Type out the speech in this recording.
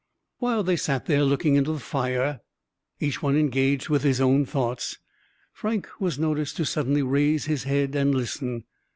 While they sat there, looking into the fire, each one engaged with his own thoughts, Frank was noticed to suddenly raise his head and listen.